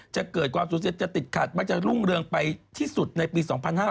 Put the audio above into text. จะเกิดความสูญเสียจะติดขัดมักจะรุ่งเรืองไปที่สุดในปี๒๕๕๙